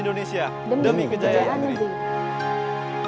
demi kejayaan lebih